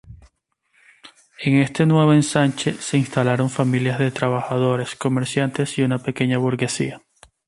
En este nuevo ensanche se instalaron familias de trabajadores, comerciantes y una pequeña burguesía.